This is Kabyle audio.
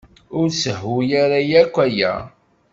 Ur sehhu ara akk aya.